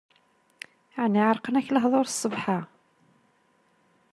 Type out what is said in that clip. Ɛni ɛerqen-ak lehdur sbeḥ-a?